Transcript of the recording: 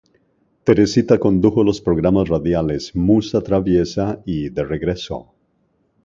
Teresita condujo los programas radiales "Musa traviesa" y "De regreso".